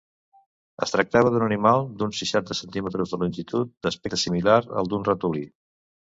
Es tractava d'un animal d'uns seixanta centímetres de longitud, d'aspecte similar al d'un ratolí.